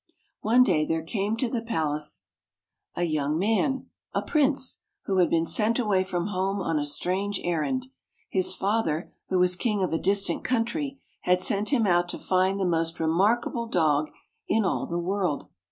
One day there came to the palace gate a [ 63 ] FAVORITE FAIRY TALES RETOLD young man — a Prince — who had been sent away from home on a strange errand. His father, who was King of a distant coun try, had sent him out to find the most remarkable dog in all the world.